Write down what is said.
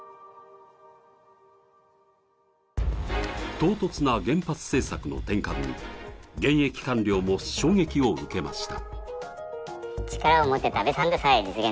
唐突な原発政策の転換に現役官僚も衝撃を受けました。